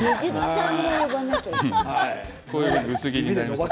薄切りになりました。